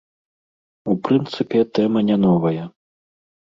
У прынцыпе, тэма не новая.